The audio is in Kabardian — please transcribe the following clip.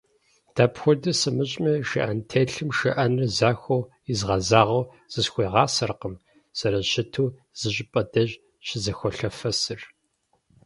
Дапхуэду сымыщӏыми, шхыӏэнтелъым шхыӏэныр захуэу изгъэзагъэу зысхуегъасэркъым, зэрыщыту зыщӏыпӏэ деж щызэхуолъэфэсыр.